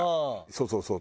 そうそうそう。